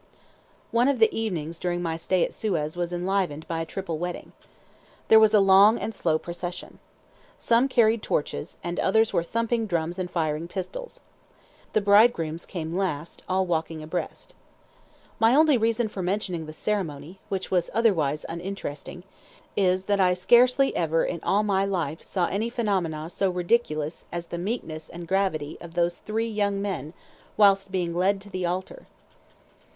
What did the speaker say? One of the evenings during my stay at Suez was enlivened by a triple wedding. There was a long and slow procession. Some carried torches, and others were thumping drums and firing pistols. The bridegrooms came last, all walking abreast. My only reason for mentioning the ceremony (which was otherwise uninteresting) is, that I scarcely ever in all my life saw any phenomena so ridiculous as the meekness and gravity of those three young men whilst being "led to the altar."